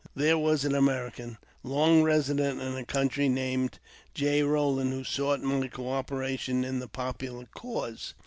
There was an American, long resident in the country, named J. Eoland, who sought my co operation in the popular cause.